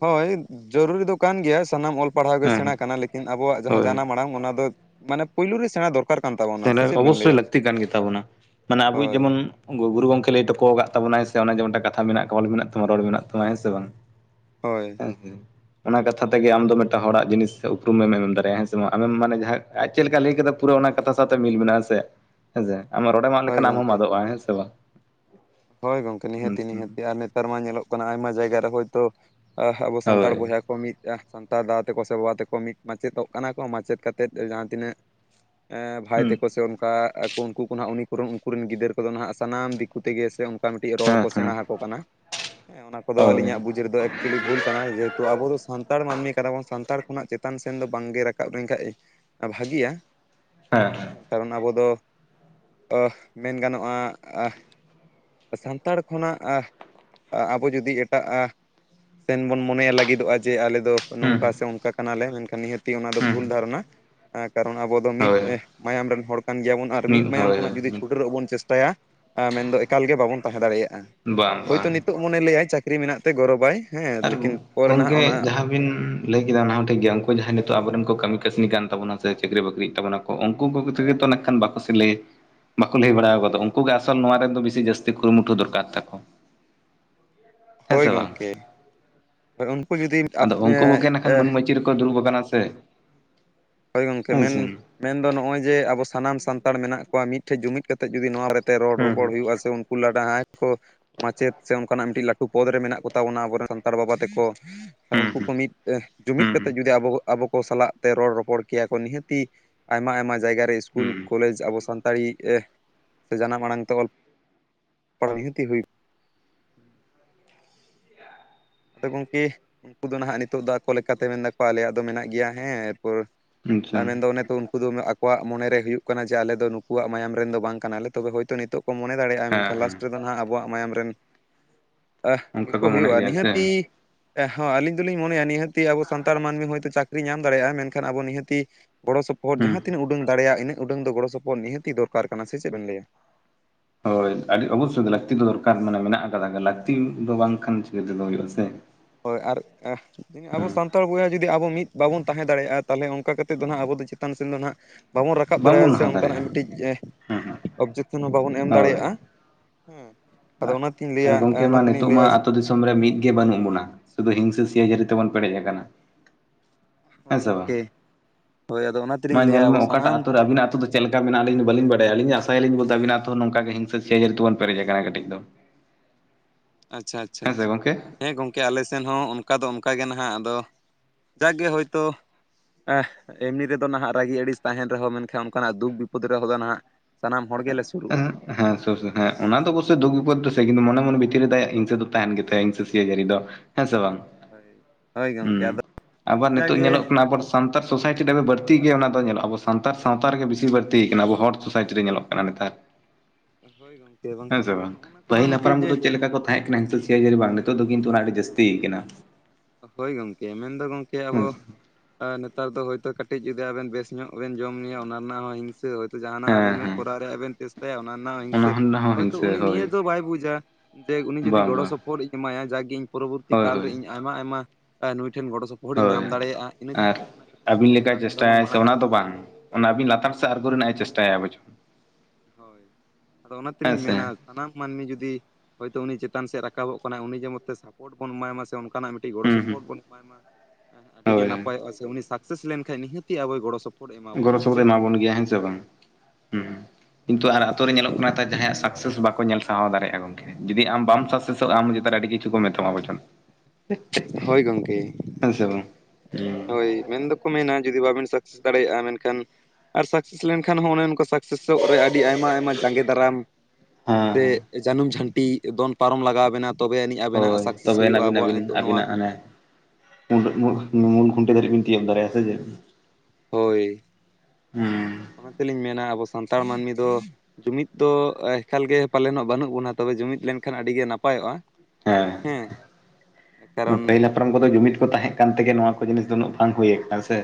ᱦᱳᱭ ᱡᱟᱹᱨᱩᱨᱤ ᱫᱚ ᱠᱟᱱ ᱜᱮᱭᱟ ᱥᱟᱱᱟᱢ ᱚᱞ ᱯᱟᱲᱦᱟᱣ ᱜᱮ ᱦᱮᱸ ᱦᱮᱸ ᱥᱮᱬᱟ ᱠᱟᱱᱟ᱾ ᱞᱮᱠᱤᱱ ᱟᱵᱚᱣᱟᱜ ᱡᱟᱦᱟᱸ ᱦᱳᱭ ᱡᱟᱱᱟᱢ ᱢᱟᱲᱟᱝ ᱚᱱᱟ ᱫᱚ ᱢᱟᱱᱮ ᱯᱳᱭᱞᱳ ᱨᱮ ᱥᱮᱬᱟ ᱫᱚᱨᱠᱟᱨ᱾ ᱠᱟᱱ ᱛᱟᱵᱚᱱᱟ ᱛᱟᱞᱮ ᱥᱮ ᱪᱮᱫ ᱵᱮᱱ ᱚᱵᱚᱥᱥᱳᱭ ᱞᱟᱹᱭᱟ ᱞᱟᱹᱠᱛᱤ ᱠᱟᱱ ᱜᱮ ᱛᱟᱵᱚᱱᱟ, ᱢᱟᱱᱮ ᱟᱵᱚᱭᱤᱡ ᱦᱳᱭ ᱡᱮᱢᱚᱱ ᱜᱩ ᱜᱩᱨᱩ ᱜᱚᱝᱠᱮ ᱞᱟᱹᱭ ᱴᱚᱠᱚᱣ ᱟᱠᱟᱫ ᱛᱟᱵᱚᱱᱟᱭ ᱥᱮ ᱚᱱᱟ ᱡᱮᱢᱚᱱᱴᱟ ᱠᱟᱛᱷᱟ ᱢᱮᱱᱟᱜ ᱚᱞ ᱢᱮᱱᱟᱜ ᱛᱟᱢᱟ ᱨᱚᱲ ᱢᱮᱱᱟᱜ ᱛᱟᱢᱟ ᱦᱮᱸ ᱥᱮ ᱵᱟᱝ? ᱦᱳᱭ᱾ [unintelligible] ᱚᱱᱟ ᱠᱟᱛᱷᱟ ᱛᱮᱜᱮ ᱟᱢ ᱫᱚ ᱢᱤᱫᱴᱮᱱ ᱦᱚᱲᱟᱜ ᱡᱤᱱᱤᱥ ᱩᱯᱨᱩᱢᱮᱢ ᱮᱢ ᱫᱟᱲᱮᱭᱟᱜᱼᱟ᱾ ᱦᱮᱸ ᱥᱮ ᱵᱟᱝ ᱟᱢ ᱢᱟᱱᱮ ᱡᱟᱦᱟᱸ ᱟᱡ ᱪᱮᱜ ᱞᱮᱠᱟ ᱞᱟᱹᱭ ᱠᱮᱫᱟ ᱯᱩᱨᱟᱹ ᱚᱱᱟ ᱠᱟᱛᱷᱟ ᱥᱟᱶᱛᱮ ᱢᱤᱞ ᱢᱮᱱᱟᱜᱼᱦᱮᱸᱥᱮ ᱦᱮᱸᱥᱮ ᱟᱢ ᱨᱚᱲᱮᱢ ᱟᱜ ᱦᱳᱭ ᱞᱮᱠᱷᱟᱱ ᱟᱢ ᱜᱚᱢᱠᱮ ᱦᱚᱸᱚᱢ ᱟᱫᱚᱜᱼᱟ ᱦᱮᱸ ᱥᱮ ᱵᱟᱝ? ᱦᱳᱭ ᱜᱚᱝᱠᱮ ᱦᱩᱸ ᱱᱤᱦᱟᱹᱛᱤ ᱱᱤᱦᱟᱹᱛᱤ ᱟᱨ ᱱᱮᱛᱟᱨ ᱢᱟ ᱧᱮᱞᱚᱜ ᱠᱟᱱᱟ ᱟᱭᱢᱟ ᱡᱟᱭᱜᱟ ᱨᱮ ᱦᱳᱭᱛᱚ ᱟᱵᱚ ᱥᱟᱱᱛᱟᱲ ᱦᱳᱭ ᱵᱚᱭᱦᱟ ᱠᱚ ᱢᱤᱫ ᱥᱟᱱᱛᱟᱲ ᱫᱟᱫᱟ ᱛᱮᱠᱚ ᱥᱮ ᱵᱟᱵᱟ ᱛᱟᱠᱚ ᱢᱤᱫ ᱢᱟᱪᱮᱫᱚᱜ ᱠᱟᱱᱟ ᱠᱚ ᱢᱟᱪᱮᱫ ᱠᱟᱛᱮᱫ ᱡᱟᱦᱟᱸ ᱛᱤᱱᱟᱹᱜ ᱵᱷᱟᱭ ᱦᱩᱸ ᱛᱮᱠᱚ ᱥᱮ ᱚᱱᱠᱟ ᱟᱠᱳ ᱩᱱᱠᱩ ᱠᱚ ᱦᱟᱜᱸ ᱩᱱᱤ ᱠᱚᱨᱮᱱ ᱩᱱᱠᱩ ᱨᱮᱱ ᱜᱤᱫᱟᱹᱨ ᱠᱚᱫᱚ ᱦᱟᱜᱸ ᱥᱟᱱᱟᱢ ᱫᱤᱠᱩ ᱛᱮᱜᱮ ᱚᱠᱟ ᱢᱤᱫᱴᱤᱡ ᱨᱚᱲ ᱦᱮᱸ ᱠᱚ ᱥᱮᱬᱟ ᱦᱮᱸ ᱟᱠᱚ ᱠᱟᱱᱟ ᱦᱮᱸ ᱚᱱᱟ ᱠᱚᱫᱚ ᱦᱳᱭ ᱦᱮᱸ ᱟᱹᱞᱤᱧᱟᱜ ᱵᱩᱡᱽ ᱨᱮᱫᱚ ᱪᱩᱞᱤ ᱵᱷᱩᱞ ᱠᱟᱱᱟ, ᱡᱮᱦᱮᱛᱩ ᱟᱵᱚ ᱫᱚ ᱥᱟᱱᱛᱟᱲ ᱢᱟᱹᱱᱢᱤ ᱠᱟᱱᱟ ᱵᱚᱱ ᱥᱟᱱᱛᱟᱲ ᱠᱷᱚᱱᱟᱜ ᱪᱮᱛᱟᱱ ᱥᱮᱱ ᱫᱚ ᱵᱟᱝᱜᱮ ᱨᱟᱠᱟᱵ ᱞᱮᱱᱠᱷᱟᱡ ᱵᱷᱟᱹᱜᱤᱭᱟ᱾ ᱦᱟᱸ ᱦᱟᱸ᱾ ᱠᱟᱨᱚᱱ ᱟᱵᱚ ᱫᱚ ᱢᱮᱱ ᱜᱟᱱᱚᱜᱼᱟ, ᱟ ᱥᱟᱱᱛᱟᱲ ᱠᱷᱚᱱᱟᱜ ᱟ ᱟᱵᱚ ᱡᱩᱫᱤ ᱮᱴᱟᱜᱼᱟ ᱥᱮᱱ ᱵᱚᱱ ᱢᱚᱱᱮᱭᱟ ᱞᱟᱹᱜᱤᱫᱚᱜ-ᱟ ᱡᱮ ᱟᱞᱮ ᱫᱚ ᱦᱩᱸ ᱱᱚᱝᱠᱟ ᱥᱮ ᱚᱝᱠᱟ ᱠᱟᱱᱟᱞᱮ ᱢᱮᱱᱠᱷᱟᱱ ᱱᱤᱦᱟᱹᱛᱤ ᱚᱱᱟ ᱫᱚ ᱦᱩᱸ ᱵᱷᱩᱞ ᱫᱷᱟᱨᱚᱱᱟ ᱠᱟᱨᱚᱱ ᱟᱵᱚᱫᱚ ᱢᱤᱫ ᱦᱳᱭ ᱮ ᱢᱟᱭᱟᱢ ᱨᱮᱱ ᱦᱚᱲ ᱠᱟᱱ ᱜᱮᱭᱟᱵᱚᱱ ᱟᱨ ᱢᱤᱫ ᱢᱟᱭᱟᱢ ᱦᱳᱭ ᱠᱷᱚᱱᱟᱜ ᱡᱩᱫᱤ ᱦᱳᱭ ᱪᱷᱩᱰᱟᱹᱨᱚᱜ ᱵᱚᱱ ᱪᱮᱥᱴᱟᱭᱟ ᱢᱮᱱᱫᱚ ᱮᱠᱟᱞ ᱜᱮ ᱵᱟᱵᱚᱱ ᱛᱟᱦᱮᱸ ᱫᱟᱲᱮᱭᱟᱜ-ᱟ ᱵᱟᱝ ᱵᱟᱝ ᱦᱳᱭᱛᱳ ᱱᱤᱛᱚᱜ ᱢᱚᱱᱮ ᱞᱟᱹᱭᱟ ᱪᱟ ᱠᱨᱤ ᱢᱮᱱᱟᱜ ᱛᱮ ᱜᱚᱨᱚᱵᱟᱭ ᱦᱮᱸ ᱟᱨ ᱞᱮᱠᱤᱱ ᱯᱚᱨᱮ ᱱᱟᱦᱟᱜ ᱚᱱᱟ ᱜᱚᱝᱠᱮ ᱡᱟᱦᱟᱸ ᱵᱤᱱ ᱞᱟᱹᱭ ᱠᱮᱫᱟ ᱚᱱᱟ ᱦᱚᱸ ᱴᱷᱤᱠ ᱜᱮᱭᱟ ᱩᱱᱠᱩ ᱡᱟᱦᱟᱸᱭ ᱱᱤᱛᱚᱜ ᱟᱵᱚᱨᱮᱱ ᱠᱚ ᱠᱟᱹᱢᱤ ᱠᱟᱹᱥᱱᱤ ᱠᱟᱱ ᱛᱟᱚᱱᱟ ᱥᱮ ᱪᱟᱹᱠᱨᱤ ᱵᱟᱹᱠᱨᱤ ᱛᱟᱵᱚᱱᱟ ᱠᱚ ᱩᱱᱠᱩ ᱠᱚ ᱛᱮᱜᱮ ᱛᱚ ᱱᱟᱜ ᱠᱷᱟᱱ ᱵᱟᱠᱚ ᱥᱤᱞᱟᱹᱭᱮ ᱵᱟᱠᱚ ᱞᱟᱹᱭ ᱵᱟᱲᱟ ᱠᱟᱫᱟ ᱩᱱᱠᱩᱩᱜ ᱜᱮ ᱟᱥᱚᱞ ᱱᱚᱶᱟ ᱨᱮ ᱫᱚ ᱵᱤᱥᱤ ᱡᱟᱹᱥᱛᱤ ᱠᱩᱨᱩᱢᱩᱴᱩ ᱫᱚᱨᱠᱟᱨ ᱛᱟᱠᱚ᱾ ᱦᱮᱸ ᱦᱳᱭ ᱥᱮ ᱵᱟᱝ ᱜᱚᱝᱠᱮ ᱦᱳ ᱩᱱᱠᱩ ᱡᱩᱫᱤ ᱟᱫᱚ ᱩᱱᱠᱩ ᱠᱚᱜᱮ ᱱᱟᱠᱷᱟᱱ ᱢᱟᱹᱱ ᱢᱟᱹᱪᱤ ᱨᱮᱠᱚ ᱫᱩᱲᱩᱵ ᱠᱟᱱᱟ ᱥᱮ᱾ ᱦᱳᱭ ᱜᱚᱝᱠᱮ ᱦᱮᱸ ᱢᱮᱱ ᱥᱮ ᱦᱩᱸ ᱢᱮᱱᱫᱚ ᱱᱚᱜ-ᱚᱭ ᱡᱮ ᱟᱵᱚ ᱥᱟᱱᱟᱢ ᱥᱟᱱᱛᱟᱲ ᱢᱮᱱᱟᱜ ᱠᱚᱣᱟ ᱢᱤᱫᱴᱷᱮᱡ ᱡᱩᱢᱤᱫ ᱠᱟᱛᱮᱜ ᱡᱩᱫᱤ ᱱᱚᱣᱟ ᱵᱟᱨᱮᱛᱮ ᱨᱚᱲ ᱦᱩᱸ ᱨᱚᱯᱚᱲ ᱦᱩᱭᱩᱜᱼᱟ ᱥᱮ ᱠᱩ ᱞᱟᱰᱟ ᱡᱟᱦᱟᱸ ᱠᱚ ᱢᱟᱪᱮᱫ ᱥᱮ ᱚᱱᱠᱟᱱᱟᱜ ᱢᱤᱫᱴᱤᱡ ᱞᱟᱹᱴᱩ ᱯᱚᱫ ᱨᱮ ᱢᱮᱱᱟᱜ ᱠᱚᱛᱟᱵᱚᱱᱟ ᱟᱵᱚᱨᱮᱱ ᱥᱟᱱᱛᱟᱲ ᱵᱟᱵᱟ ᱛᱮᱠᱚ᱾ ᱦᱩᱸ ᱩᱱᱠᱩ ᱠᱚ ᱢᱤᱫ ᱡᱩᱢᱤᱫ ᱦᱩᱸ ᱠᱟᱛᱮ ᱡᱩᱫᱤ ᱟᱵᱚ ᱟᱵᱚ ᱠᱚ ᱥᱟᱞᱟᱜ ᱛᱮ ᱨᱚᱲ ᱨᱚ ᱯᱚᱲ ᱠᱮᱭᱟ ᱠᱚ ᱱᱤᱦᱟᱹᱛᱤ, ᱟᱭᱢᱟ ᱟᱭᱢᱟ ᱡᱟᱭᱜᱟ ᱨᱮ ᱤᱥᱠᱩᱞ ᱦᱩᱸ ᱠᱚᱞᱮᱡᱽ ᱟᱵᱚ ᱥᱟᱱᱛᱟᱲᱤ ᱮ ᱥᱮ ᱡᱟᱱᱟᱢ ᱟᱲᱟᱝ ᱛᱮ ᱚᱞ ᱯᱟᱲᱦᱟ ᱱᱤᱦᱛᱤ ᱦᱩᱭ ᱟᱫᱚ ᱜᱚᱝᱠᱮ ᱩᱱᱠᱩ ᱫᱚ ᱱᱟᱦᱟᱜ ᱱᱤᱛᱚᱜ ᱫᱚ ᱟᱠᱚ ᱞᱮᱠᱟᱛᱮ ᱢᱮᱱ ᱫᱟᱠᱚ ᱟᱞᱮᱭᱟᱜ ᱫᱚ ᱢᱮᱱᱟᱜ ᱜᱮᱭᱟ ᱦᱮᱸ ᱮᱨᱯᱚᱨ ᱦᱩᱸ ᱦᱩᱸ ᱟᱪᱪᱷᱟ ᱟᱨ ᱦᱮᱸ ᱢᱮᱱᱫᱚ ᱚᱱᱮ ᱛᱚ ᱩᱱᱠᱩ ᱫᱚ ᱟᱠ ᱟᱠᱚᱣᱟᱜ ᱢᱚᱱᱮᱨᱮ ᱦᱩᱭᱩᱜ ᱠᱟᱱᱟ ᱡᱮ ᱟᱞᱮ ᱫᱚ ᱱᱩᱠᱩᱣᱟᱜ ᱢᱟᱭᱟᱢ ᱨᱮᱱ ᱫᱚ ᱵᱟᱝ ᱠᱟᱱᱟᱞᱮ ᱛᱚᱵᱮ ᱦᱚᱭᱛᱳ ᱱᱤᱛᱚᱜ ᱠᱚ ᱢᱚᱱᱮ ᱫᱟᱲᱮᱭᱟᱜᱼᱟ ᱢᱮᱱᱠᱷᱟᱱ ᱞᱟᱥᱴ ᱦᱮᱸ ᱨᱮ ᱱᱟᱦᱟᱜ ᱟᱵᱚᱣᱟᱜ ᱢᱟᱭᱟᱢ ᱨᱮᱱ, ᱟ ᱚᱱᱠᱟ ᱜᱮᱠᱚ ᱠᱚ ᱢᱚᱱᱮᱜ ᱦᱩᱭᱩᱜᱼᱟ ᱜᱮᱭᱟ ᱱᱤᱦᱟᱹᱛ ᱥᱮ ᱤ ᱟᱹᱞᱤᱧ ᱫᱚᱞᱤᱧ ᱢᱚᱱᱮᱭᱟ ᱱᱤᱦᱟᱹᱛᱤ ᱟᱵᱚ ᱥᱟᱱᱛᱟᱲ ᱢᱟᱹᱱᱢᱤ ᱦᱚᱭᱛᱚ ᱪᱟᱹᱠ ᱠᱨᱤ ᱧᱟᱢ ᱫᱟᱲᱮᱭᱟᱜᱼᱟ ᱢᱮᱱᱠᱷᱟᱱ ᱟᱵᱚ ᱱᱤᱦᱟᱹᱛᱤ ᱜᱚᱲᱚ ᱥᱚᱯᱚᱦᱚᱫ ᱦᱩᱸ ᱡᱟᱦᱟᱸ ᱛᱤᱱᱟᱹᱜ ᱩᱰᱟᱹᱝ ᱫᱟᱲᱮᱭᱟᱜ ᱤᱱᱟᱹᱜ ᱩᱰᱟᱹᱝ ᱫᱚ ᱜᱚᱲᱚ ᱥᱚᱯᱚᱦᱚᱫ ᱱᱤᱦᱟᱹᱛᱤ ᱫᱚᱨᱠᱟᱨ ᱠᱟᱱᱟ ᱥᱮ ᱪᱮᱜ ᱵᱮᱱ ᱞᱟᱹᱭᱟ? ᱦᱳᱭ ᱟᱹᱰᱤ ᱚᱵᱚᱥᱥᱳᱭ ᱞᱟᱹᱠᱛᱤ ᱫᱚ ᱫᱚᱨᱠᱟᱨ ᱢᱟᱱᱮ ᱢᱮᱱᱟᱜ ᱠᱟᱫᱟ ᱞᱟᱹᱠᱛᱤ ᱫᱚ ᱵᱟᱝᱠᱷᱟᱱ ᱪᱤᱠᱟᱹ ᱛᱮᱫᱚ ᱦᱳᱭᱳᱜᱼᱟ ᱥᱮ᱾ ᱦᱳᱭ ᱟᱨ ᱟᱵᱚ ᱦᱮᱸ ᱥᱟᱱᱛᱟᱲ ᱵᱚᱭᱦᱟ ᱡᱩ ᱡᱩᱫᱤ ᱟᱵᱚ ᱢᱤᱫ ᱵᱟᱵᱚᱱ ᱛᱟᱦᱮᱸ ᱫᱟᱲᱮᱜᱼᱟ ᱛᱟᱦᱚᱞᱮ ᱚᱱᱠᱟ ᱠᱟᱛᱮᱫ ᱫᱚ ᱦᱟᱸᱜ ᱟᱵᱚ ᱪᱮᱛᱟᱱ ᱥᱮᱫ ᱫᱚ ᱦᱟᱸᱜ ᱵᱟᱵᱚᱱ ᱨᱟᱠᱟᱵ ᱵᱟᱝᱵᱚᱱ ᱫᱟᱲᱮᱭᱟᱜᱼᱟ ᱥᱮ ᱞᱟᱦᱟ ᱚᱱᱠᱟᱱᱟᱜ ᱫᱟᱲᱮᱭᱟᱜᱼᱟ ᱢᱤᱫᱴᱤᱡ ᱦᱮᱸ ᱦᱮᱸ ᱚᱵᱡᱮᱠᱥᱮᱱ ᱦᱚᱸ ᱵᱟᱵᱚᱱ ᱮᱢ ᱦᱳᱭ ᱫᱟᱲᱮᱭᱟᱜᱼᱟ᱾ ᱦᱮᱸ ᱟᱫᱚ ᱚᱱᱟᱛᱤᱧ ᱞᱟᱹᱭᱟ ᱚᱱᱟᱛᱤᱞᱤᱧ ᱞᱟᱹᱭᱟ ᱥᱚᱢ ᱨᱮ ᱢᱤᱫ ᱜᱮ ᱵᱟᱹᱱᱩᱜ ᱵᱚᱱᱟ ᱥᱩᱫᱩ ᱦᱤᱝᱥᱟᱹ ᱥᱤᱭᱟᱹ ᱡᱟᱹᱨᱤ ᱛᱮᱵᱚᱱ ᱯᱮᱨᱮᱡ ᱠᱟᱱᱟ᱾ ᱦᱳᱭ ᱦᱮᱸᱥᱮ ᱵᱟᱝ, ᱜᱚᱢᱠᱮ ᱦᱳᱭ ᱟᱫᱚ ᱚᱱᱟ ᱢᱟ ᱛᱮᱞᱤᱧ ᱧᱮᱞ ᱞᱟᱹᱭᱟ ᱢᱮ ᱟᱵᱚ ᱚᱠᱟᱴᱟᱜ ᱥᱟᱱᱟᱢ ᱟᱹᱛᱩ ᱨᱮ ᱟᱵᱤᱱᱟᱜ ᱟᱹᱛᱩ ᱫᱚ ᱪᱮᱫ ᱞᱮᱠᱟ ᱢᱮᱱᱟᱜ ᱞᱤᱧ ᱟᱹᱞᱤᱧ ᱫᱚ ᱵᱟᱹᱞᱤᱧ ᱵᱟᱰᱟᱭᱟ, ᱟᱹᱞᱤᱧ ᱟᱥᱟᱭᱟᱞᱤᱧ ᱵᱚᱞᱛᱮ ᱟᱹᱵᱤᱱᱟᱜ ᱛᱚᱦ ᱱᱚᱝᱠᱟ ᱜᱮ ᱦᱤᱝᱥᱟᱹ ᱥᱩᱭᱟᱹᱡᱽ ᱛᱮ ᱵᱚᱱ ᱯᱮᱨᱮᱡ ᱟᱠᱟᱱᱟ ᱠᱟᱹᱴᱤᱡ ᱫᱚ᱾ ᱟᱪᱪᱷᱟ ᱟᱪᱪᱷᱟ ᱦᱮᱸ ᱥᱮ ᱟᱪᱪᱷᱟ᱾ ᱜᱚᱝᱠᱮ ᱦᱮᱸ ᱜᱚᱝᱠᱮ ᱟᱞᱮ ᱥᱮᱱ ᱦᱚᱸ ᱚᱱᱠᱟ ᱫᱚ ᱚᱱᱠᱟ ᱜᱮ ᱱᱷᱟᱸᱜ ᱟᱫᱚ ᱡᱟ ᱜᱮ ᱦᱳᱭᱛᱳ ᱮᱸᱦ ᱮᱢᱱᱤ ᱨᱮᱫᱚ ᱱᱷᱟᱸᱜ ᱨᱟᱹᱜᱤ ᱟᱹᱲᱤᱥ ᱛᱟᱦᱮᱱ ᱨᱮᱦᱚᱸ ᱢᱮᱱᱠᱷᱟᱱ ᱚᱱᱠᱟᱱᱟᱜ ᱫᱩᱠᱷ ᱵᱤᱯᱚᱫ ᱨᱮᱦᱚᱸ ᱫᱚ ᱱᱷᱟᱸᱜ ᱥᱟᱱᱟᱢ ᱦᱚᱲ ᱜᱮᱞᱮ ᱥᱩᱨᱩᱜ-ᱟ᱾ ᱦᱮᱸ ᱥᱩᱨ ᱥᱮ ᱦᱮᱸ ᱚᱱᱟ ᱫᱚ ᱵᱳᱥᱮ ᱫᱩᱠᱷ ᱵᱤᱯᱚᱫᱽ ᱫᱚ ᱥᱮ ᱥᱟᱸᱜᱤᱱ, ᱢᱚᱱᱮ ᱢᱚᱱᱮ ᱵᱷᱤᱛᱤᱨ ᱨᱮ ᱫᱚ ᱟᱭᱟᱜ ᱦᱤᱝᱥᱟᱹ ᱫᱚ ᱛᱟᱦᱮᱸᱱ ᱜᱮ ᱛᱟᱭᱟ, ᱦᱤᱝᱥᱟ ᱥᱩᱭᱟᱹ ᱡᱟᱹᱨᱤ ᱫᱚ, ᱦᱮᱸᱥᱮ ᱵᱟᱝ? ᱦᱳᱭ ᱦᱳᱭ ᱜᱚᱢᱠᱮ ᱦᱩᱸ, ᱟᱫᱚ ᱟᱵᱚᱣᱟᱜ ᱱᱤᱛᱚᱜ ᱡᱟᱜᱮ ᱧᱮᱞᱚᱜ ᱠᱟᱱᱟ ᱟᱵᱚᱴᱥ ᱥᱟᱱᱛᱟᱨ ᱥᱳᱥᱟᱭᱴᱤ ᱰᱮᱵᱮ ᱵᱟᱹᱲᱛᱤᱜ ᱜᱮ ᱚᱱᱟ ᱫᱚ ᱧᱮᱞᱚᱜ, ᱟᱵᱚ ᱥᱟᱱᱛᱟᱨ ᱥᱟᱶᱛᱟ ᱨᱮᱜᱮ ᱵᱤᱥᱤ ᱵᱟᱹᱲᱛᱤ ᱟᱠᱟᱱᱟ, ᱟᱵᱚ ᱦᱚᱲ ᱥᱳᱥᱟᱭᱴᱤ ᱨᱮ ᱧᱮᱞᱚᱜ ᱠᱟᱱᱟ ᱱᱮᱛᱟᱨ ᱦᱳᱭ ᱜᱚᱢᱠᱮ ᱦᱮᱸᱥᱮ ᱵᱟᱝᱠᱷᱟᱱ ᱫᱚ ᱵᱟᱝ, ᱱᱚᱜᱼᱚ ᱱᱟ ᱠᱚᱫᱚ ᱯᱟᱹᱦᱤᱞ ᱢᱤᱫᱴᱤᱡ ᱦᱟᱯᱨᱟᱢ ᱡᱮ ᱠᱚᱫᱚ ᱪᱮᱫ ᱞᱮᱠᱟ ᱠᱚ ᱛᱟᱦᱮᱸᱜ ᱠᱟᱱᱟ ᱱᱤᱛᱚᱜ ᱥᱤᱭᱟᱡᱽ ᱨᱮ ᱵᱟᱝ, ᱱᱤᱛᱚᱜ ᱫᱚ ᱠᱤᱱᱛᱩ ᱚᱱᱟ ᱟᱹᱰᱤ ᱡᱟᱹᱥᱛᱤ ᱭᱟᱠᱟᱱᱟ᱾ ᱦᱳᱭ ᱜᱚᱝᱠᱮ, ᱢᱮᱱ ᱫᱚ ᱜᱚᱝᱠᱮ ᱟᱵᱚ ᱦᱮᱸ ᱟᱨ ᱱᱮᱛᱟᱨ ᱫᱚ ᱦᱳᱭᱛᱳ ᱠᱟᱹᱴᱤᱡ ᱡᱩᱫᱤ ᱟᱵᱮᱱ ᱵᱮᱥ ᱧᱚᱜ ᱵᱮᱱ ᱡᱚᱢ ᱧᱩᱭᱟ ᱚᱱᱟ ᱨᱮᱱᱟᱜ ᱦᱚᱸ ᱦᱤᱱ- ᱥᱟᱹ, ᱦᱳᱭᱛᱳ ᱡᱟᱦᱟᱸᱱᱟᱜ ᱦᱮᱸ ᱟᱵᱮᱱ ᱵᱮᱱ ᱦᱮᱸ ᱠᱚᱨᱟᱣ ᱨᱮᱭᱟᱜ ᱵᱮᱱ ᱪᱮᱥᱴᱟᱭᱟ ᱚᱱᱟ ᱨᱮᱱᱟᱜ ᱦᱚᱸ ᱚᱱᱟ ᱦᱤᱝᱥᱟᱹ, ᱨᱮᱱᱟᱜ ᱦᱚᱸ ᱦᱚᱭᱛᱳ ᱦᱤᱝᱥᱟᱹ ᱩᱱᱤ ᱱᱤᱭᱟᱹ ᱦᱳᱭ ᱫᱚ ᱵᱟᱭ ᱵᱩᱡᱽᱼᱟ ᱡᱮ ᱩᱱᱤ ᱡᱩᱫᱤ ᱵᱟᱝ ᱜᱚᱲᱚ ᱵᱟᱝ ᱥᱚᱯ ᱦᱚᱲ ᱤᱧ ᱮᱢᱟᱭᱟ ᱡᱟ ᱜᱮ ᱤᱧ ᱯᱚᱨᱚᱵᱚᱨᱛᱤ ᱦᱳᱭ ᱠᱟᱞ ᱨᱮ ᱦᱳᱭ ᱤᱧ ᱟᱭᱢᱟ ᱟᱭᱢᱟ ᱛᱟᱭ ᱱᱩᱭ ᱴᱮᱱ ᱜᱚᱲᱚ ᱥᱚ- ᱯᱚᱲᱚ ᱦᱚᱧ ᱦᱳᱭ ᱧᱟᱢ ᱫᱟᱲᱮᱭᱟᱜ-ᱟ ᱤᱱᱟᱹ ᱟᱨ ᱪᱤᱱᱛᱟᱹ ᱵᱷᱟᱵᱽᱱᱟ ᱠᱟᱛᱮ ᱡᱩᱫᱤ ᱟᱹᱵᱤᱱ ᱞᱮᱠᱟᱭ ᱠᱟᱹᱢᱤ ᱦᱚᱨᱟ ᱵᱚᱱ ᱪᱮᱥᱴᱟᱭᱟᱭ ᱥᱮ ᱢᱟᱲᱟᱝᱼᱟ, ᱚᱱᱟ ᱫᱚ ᱵᱟᱝ [unintelligible] ᱚᱱᱟ ᱟᱹᱵᱤᱱ ᱞᱟᱛᱟᱨ ᱥᱮᱫ ᱟᱨᱜᱚ ᱨᱮᱱᱟᱜ ᱮ ᱪᱮᱥᱴᱟᱭᱟ ᱵᱳᱪᱷᱚᱱ᱾ ᱦᱳᱭ [unintelligible] ᱟᱫᱚ ᱚᱱᱟ ᱦᱮᱸ ᱛᱮᱞᱤᱧ ᱥᱮ ᱢᱮᱱᱟ ᱥᱟᱱᱟᱢ ᱢᱟᱹᱱᱢᱤ ᱡᱩᱫᱤ ᱦᱳᱭᱛᱳ ᱩᱱᱤ ᱪᱮᱛᱟᱱ ᱥᱮᱫ ᱨᱟᱠᱟᱵᱚᱜ ᱠᱟᱱᱟᱭ ᱩᱱᱤ ᱡᱮᱢᱚᱱ ᱛᱮ ᱥᱟᱯᱚᱴ ᱵᱚᱱ ᱮᱢᱟᱭ ᱢᱟ ᱥᱮ ᱚᱱᱠᱟᱱᱟᱜ ᱢᱤᱫ ᱴᱤᱡ ᱜᱚᱲᱚ ᱦᱩᱸ ᱦᱩᱸ ᱥᱚᱯᱚᱦᱚᱫ ᱵᱚᱱ ᱮᱢᱟᱭ ᱢᱟ [unintelligible] ᱟᱹᱰᱤ ᱜᱮ ᱦᱳᱭ ᱱᱟᱯᱟᱭᱚᱜᱼᱟ ᱥᱮ ᱩᱱᱤ ᱥᱟᱠᱥᱮᱥ ᱞᱮᱱ ᱠᱷᱟᱡ ᱱᱤᱦᱟᱹᱛᱤ ᱟᱵᱚᱭ ᱜᱚᱲᱚ ᱥᱚᱯ- ᱜᱚᱲᱚ ᱥᱚᱯᱚᱦᱚᱫ ᱦᱮᱱᱟᱜ ᱵᱚᱱ ᱜᱮᱭᱟ ᱦᱮᱸ ᱪᱮ ᱵᱟᱝᱼᱟ, ᱦᱩᱸ᱾ ᱦᱳᱭ ᱠᱤᱱᱛᱩ ᱟᱨ ᱟᱹᱛᱩ ᱨᱮ ᱧᱮᱞᱚᱜ ᱠᱟᱱᱟ ᱛᱟᱭ ᱡᱟᱦᱟᱸᱭᱟᱜ ᱥᱟᱠᱥᱮᱥ ᱵᱟᱠᱚ ᱧᱮᱞ ᱥᱟᱦᱟᱶ ᱫᱟᱲᱮᱭᱟᱜᱼᱟ ᱜᱚᱝᱠᱮ ᱡᱩᱫᱤ ᱟᱢ ᱵᱟᱢ ᱥᱟᱠᱥᱮᱥᱼᱚᱜᱼᱟ ᱟᱢ ᱪᱮᱛᱟᱱ ᱨᱮ ᱟᱹᱰᱤ ᱠᱤᱪᱷᱩ ᱠᱚ ᱢᱮᱛᱟᱢᱟ ᱵᱚᱪᱚᱱ, [unintelligible] ᱦᱳᱭ ᱜᱚᱝᱠᱮ᱾ ᱦᱮᱸᱥᱮ ᱵᱟᱝ? ᱦᱩᱸ ᱾ ᱦᱳᱭ ᱢᱮᱱ ᱫᱚᱠᱚ ᱢᱮᱱᱟ ᱡᱩᱫᱤ ᱵᱟᱹᱵᱤᱱ ᱥᱟᱠᱥᱮᱥ ᱫᱟᱲᱮᱭᱟᱜᱼᱟ ᱢᱮᱱᱠᱷᱟᱱ ᱟᱨ ᱥᱟᱠᱥᱮᱥ ᱞᱮᱱᱠᱷᱟᱱ ᱦᱚᱸ ᱚᱱᱮ ᱚᱱᱠᱟ ᱥᱟᱠ- ᱥᱮᱥᱚᱜ ᱨᱮ ᱟᱹᱰᱤ ᱟᱭᱢᱟ ᱟᱭᱢᱟ ᱡᱟᱸᱜᱮ ᱫᱟᱨᱟᱢ ᱦᱮᱸ ᱥᱮ ᱡᱟᱹᱱᱩᱢ ᱡᱷᱟᱹᱱᱴᱤ ᱮ ᱫᱚᱱ ᱯᱟᱨᱚᱢ ᱞᱟᱜᱟᱣ ᱵᱮᱱᱟ ᱛᱚᱵᱮ ᱟᱹᱱᱤᱡ ᱟᱵᱮᱱᱟᱜ ᱦᱳᱭ ᱥᱟᱠᱥᱮᱥ ᱛᱚᱵᱮ ᱟᱹᱱᱟᱜ ᱦᱩᱭᱩᱜᱼᱟ ᱟᱵᱚᱣᱟᱜ ᱱᱤᱛᱚᱜ ᱱᱚᱣᱟ ᱾ ᱢᱩᱸᱰᱩᱜ ᱢᱩᱨᱠᱷ ᱢᱩ ᱢᱩᱱ ᱠᱷᱩᱱᱴᱟᱹ ᱫᱷᱟᱹᱨᱤᱡ ᱵᱤᱱ ᱛᱤᱭᱟᱹᱜ ᱫᱟᱲᱮᱜᱼᱟ ᱥᱮ ᱪᱮᱫ? ᱦᱳᱭ ᱦᱩᱸ ᱚᱱᱟ ᱛᱮᱞᱤᱧ ᱢᱮᱱᱟ ᱟᱵᱚ ᱥᱟᱱᱛᱟᱲ ᱢᱟᱹᱱᱢᱤ ᱫᱚ ᱡᱩᱢᱤᱫ ᱫᱚ ᱮᱠᱟᱞ ᱜᱮ ᱯᱟᱞᱮᱱᱚᱜ ᱵᱟᱹᱱᱩᱜ ᱵᱚᱱᱟ, ᱛᱚᱵᱮ ᱡᱩᱢᱤᱫ ᱞᱮᱱᱠᱷᱟᱱ ᱟᱹᱰᱤ ᱜᱮ ᱱᱟᱯᱟᱭᱚᱜᱼᱟ ᱾ ᱦᱮᱸ ᱠᱟᱨᱚᱱ ᱱᱟᱯᱟᱭ [unintelligible] ᱦᱟᱯᱨᱟᱢ ᱠᱚᱫᱚ ᱡᱩᱢᱤᱫᱽ ᱠᱚ ᱛᱟᱦᱮᱸᱜ ᱠᱟᱱ ᱛᱮᱜᱮ ᱱᱚᱣᱟ ᱠᱚ ᱡᱤᱱᱤᱥ ᱫᱚ ᱩᱱᱟᱹᱜ ᱯᱷᱟᱝ ᱦᱩᱭ ᱠᱟᱱᱟ ᱥᱮ᱾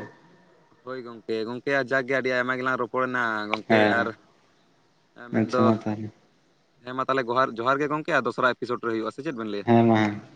ᱦᱳᱭ ᱜᱚᱝᱠᱮ, ᱜᱚᱝᱠᱮ ᱟᱡᱟᱜᱽ ᱜᱮ ᱟᱹᱰᱤ ᱟᱭᱢᱟ ᱜᱮᱞᱟᱝ ᱨᱚᱯᱚᱲᱮᱱᱟ, ᱜᱚᱝᱠᱮ ᱟᱨ ᱦᱮᱸ ᱟᱸ ᱦᱮᱸ ᱢᱮᱱᱫᱚ ᱟᱪᱪᱷᱟ ᱢᱟ ᱛᱟᱦᱚᱞᱮ ᱦᱮᱸ ᱢᱟ ᱛᱟᱦᱮᱞᱮ ᱜᱚᱦᱟᱨ ᱡᱚᱦᱟᱨ ᱜᱮ ᱜᱚᱝᱠᱮ ᱫᱚᱥᱨᱟ ᱮᱯᱤᱥᱳᱰ ᱨᱮ ᱦᱩᱭᱩᱜᱼᱟ, ᱥᱮ ᱪᱮᱫ ᱵᱤᱱ ᱞᱟᱹᱭ? [unintelligible]